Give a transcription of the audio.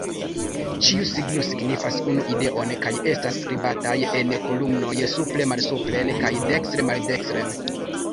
Ĉiu signo signifas unu ideon kaj estas skribataj en kolumnoj, supre-malsupren kaj dekste-maldekstren.